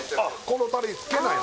このタレにつけないの？